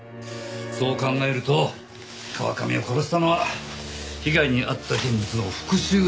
そう考えると河上を殺したのは被害に遭った人物の復讐だったって事も。